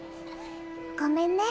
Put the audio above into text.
ごめんね。